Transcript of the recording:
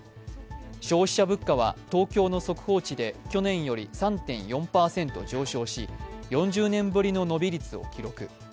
消費者物価は、東京の速報値で去年より３．４％上昇し４０年ぶりの伸び率を記録。